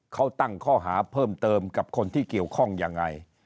เขาตั้งข้อหาเพิ่มเติมกับคนที่เกี่ยวข้องยังไง